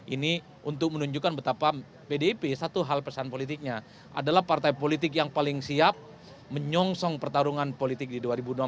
ini untuk menunjukkan betapa pdip satu hal pesan politiknya adalah partai politik yang paling siap menyongsong pertarungan politik di dua ribu dua puluh empat